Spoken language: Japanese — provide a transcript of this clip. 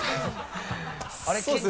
あれ？